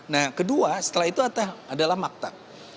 nah kedua setelah itu adalah maktab